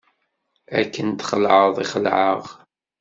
Akken txelεeḍ i xelεeɣ.